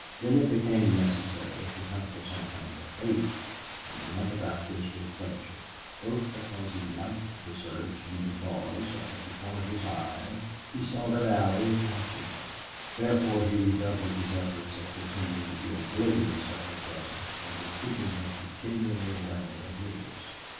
Then it became necessary to hunt for some kind of bait, and he went about this with pleasure, both because he liked the search and because, out of the corner of his eye, he saw that Allie was watching him. Therefore he redoubled his efforts at pretending to be oblivious of her presence and at keeping her continually aware of his.